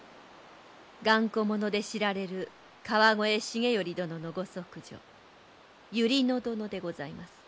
頑固者で知られる河越重頼殿のご息女百合野殿でございます。